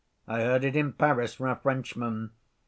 I heard it in Paris from a Frenchman.